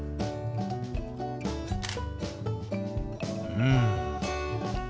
うん。